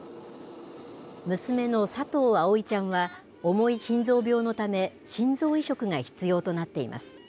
娘の佐藤葵ちゃんは重い心臓病のため心臓移植が必要となっています。